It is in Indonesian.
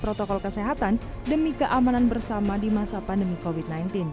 protokol kesehatan demi keamanan bersama di masa pandemi covid sembilan belas